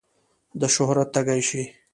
د شهرت تږی شي.